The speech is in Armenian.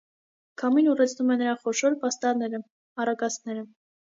Քամին ուռեցնում է նրա խոշոր պաստառները՝ առագաստները։